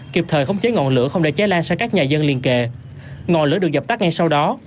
kịp thời khống chế ngọn lửa không để cháy lan sang các nhà dân liên kề ngọn lửa được dập tắt ngay sau đó